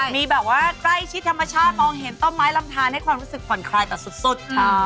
มีแบบว่าใกล้ชิดธรรมชาติมองเห็นต้นไม้ลำทานให้ความรู้สึกผ่อนคลายแต่สุด